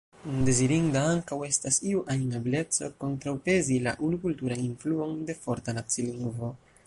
Dezirinda ankaŭ estas iu ajn ebleco kontraŭpezi la unukulturan influon de forta nacilingvo.